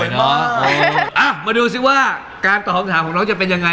ทำงานแล้วฮะ